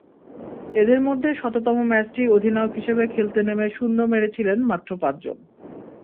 এঁদের মধ্যে শততম ম্যাচটি অধিনায়ক হিসেবে খেলতে নেমে শূন্য মেরেছিলেন মাত্র পাঁচজন।